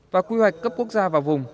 và quy hoạch cấp quốc gia vào vùng